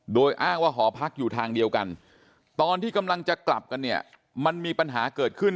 โดยอ้างว่าหอพักอยู่ทางเดียวกันตอนที่กำลังจะกลับกันเนี่ยมันมีปัญหาเกิดขึ้น